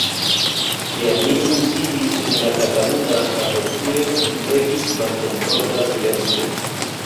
Kiam mi kunsidis kun la kataluna asocio, regis malkomforta silento.